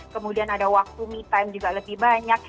kemudian ada waktu me time juga lebih banyak